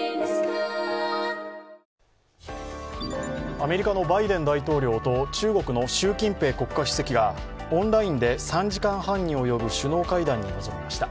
アメリカのバイデン大統領と中国の習近平国家主席がオンラインで３時間半に及ぶ首脳会談に臨みました。